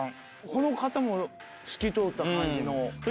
この方も透き通った感じの。